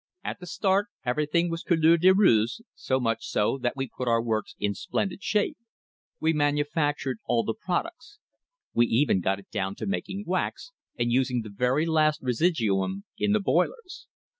At the start everything was couleur de rose, so much so that we put our works in splendid shape. We manufac tured all the products. We even got it down to making wax, and using the very last residuum in the boilers.